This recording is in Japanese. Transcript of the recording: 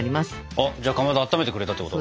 あっじゃあかまどあっためてくれたってこと？